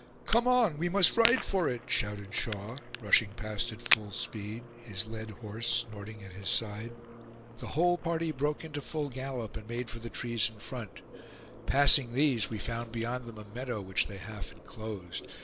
"Come on; we must ride for it!" shouted Shaw, rushing past at full speed, his led horse snorting at his side. The whole party broke into full gallop, and made for the trees in front. Passing these, we found beyond them a meadow which they half inclosed.